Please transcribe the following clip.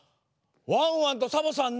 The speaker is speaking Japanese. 「ワンワンとサボさん